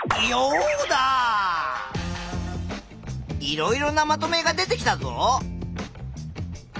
いろいろなまとめが出てきたぞ。